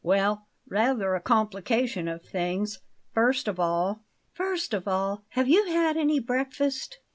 "Well, rather a complication of things. First of all " "First of all, have you had any breakfast?"